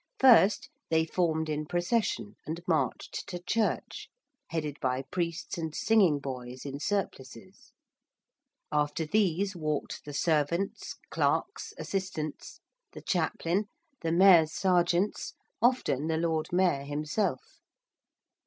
First they formed in procession and marched to church, headed by priests and singing boys, in surplices: after these walked the servants, clerks, assistants, the chaplain, the Mayor's sergeants, often the Lord Mayor himself.